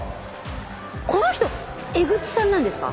この人エグチさんなんですか？